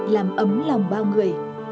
làm ấm lòng bao người